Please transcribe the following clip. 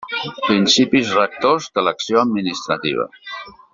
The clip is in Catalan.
Principis rectors de l'acció administrativa.